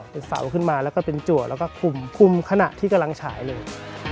เป็นเสาขึ้นมาแล้วก็เป็นจัวแล้วก็คุมขณะที่กำลังฉายเลย